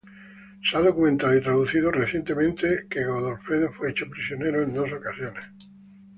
Se ha documentado, y traducido recientemente, que Godofredo fue hecho prisionero en dos ocasiones.